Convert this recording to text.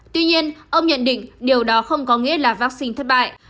tuy nhiên ông nhận định điều đó không có nghĩa là vaccine thất bại